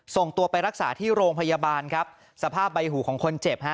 ส่งตัวไปรักษาที่โรงพยาบาลครับสภาพใบหูของคนเจ็บฮะ